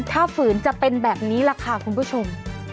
ถ้าฝืนจะเป็นแบบนี้แหละค่ะคุณผู้ชม